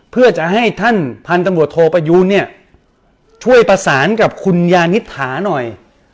เพื่อจะให้ท่านพันธุ์ตำรวจโทประยูนเนี่ยช่วยประสานกับคุณยานิษฐาหน่อย